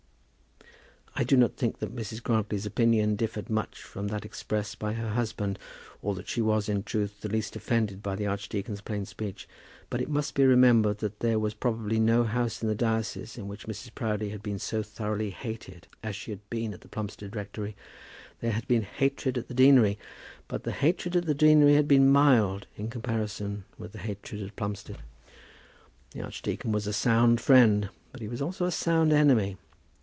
I do not think that Mrs. Grantly's opinion differed much from that expressed by her husband, or that she was, in truth, the least offended by the archdeacon's plain speech. But it must be remembered that there was probably no house in the diocese in which Mrs. Proudie had been so thoroughly hated as she had been at the Plumstead rectory. There had been hatred at the deanery; but the hatred at the deanery had been mild in comparison with the hatred at Plumstead. The archdeacon was a sound friend; but he was also a sound enemy.